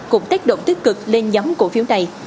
cùng tác động tích cực lên nhóm cụ phiếu này